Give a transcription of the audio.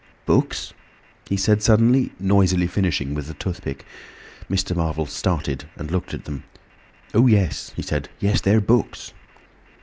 "Books?" he said suddenly, noisily finishing with the toothpick. Mr. Marvel started and looked at them. "Oh, yes," he said. "Yes, they're books."